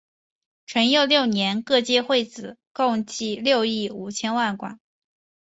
淳佑六年各界会子共计六亿五千万贯。